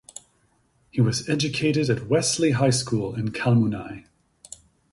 He was educated at Wesley High School in Kalmunai.